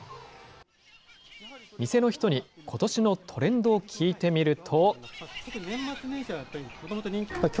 店の人にことしのトレンドを聞いてみると。